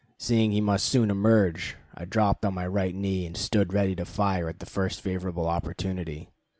Seeing he must soon emerge, I dropped on my right knee and stood ready to fire at the first favorable opportunity.